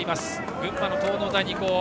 群馬の東農大二高。